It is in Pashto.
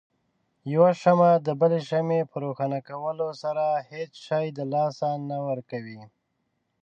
يوه شمعه دبلې شمعې په روښانه کولو سره هيڅ شی د لاسه نه ورکوي.